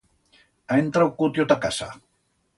Ha entrau cutio ta casa.